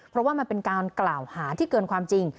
เพราะว่ามันเป็นการกล่าวหาที่เกินความจริง